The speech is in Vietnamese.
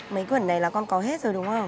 mấy tuần này là con có hết rồi đúng không